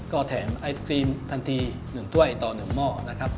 ก็แถมไอศครีมทันที๑ถ้วยต่อ๑หม้อนะครับ